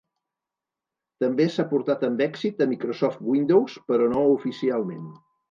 També s'ha portat amb èxit a Microsoft Windows, però no oficialment.